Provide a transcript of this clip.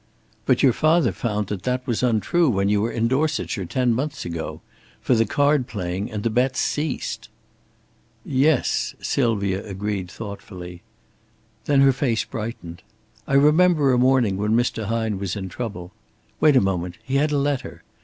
"But your father found that that was untrue when you were in Dorsetshire, ten months ago. For the card playing and the bets ceased." "Yes," Sylvia agreed thoughtfully. Then her face brightened. "I remember a morning when Mr. Hine was in trouble. Wait a moment! He had a letter.